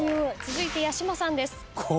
続いて八嶋さんです。